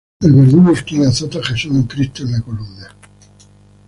El verdugo es quien azota a Jesús en cristo en la columna